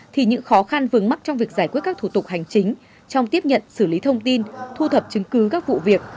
thì những khó khăn vướng mắt trong việc giải quyết các thủ tục hành chính trong tiếp nhận xử lý thông tin thu thập chứng cứ các vụ việc